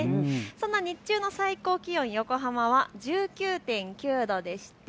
そんな日中の最高気温、横浜は１９．９度でした。